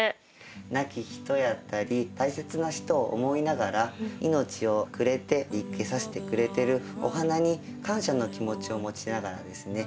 亡き人やったり大切な人を思いながら命をくれて生けさせてくれてるお花に感謝の気持ちを持ちながらですね